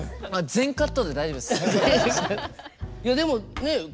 全カットで大丈夫です。